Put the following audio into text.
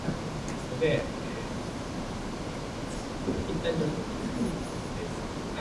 泣きっ面に蜂